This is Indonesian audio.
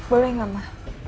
boleh gak ma